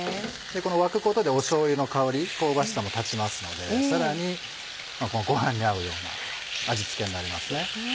この沸くことでしょうゆの香り香ばしさも立ちますのでさらにご飯に合うような味付けになります。